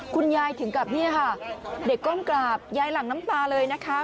คุณยายถึงกับเนี่ยค่ะเด็กก้มกราบยายหลั่งน้ำตาเลยนะคะ